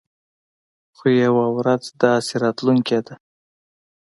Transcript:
خو يوه ورځ داسې راتلونکې ده.